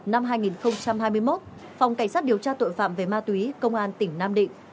năm hai nghìn hai mươi một phòng cảnh sát điều tra tội phạm về ma túy công an tỉnh nam định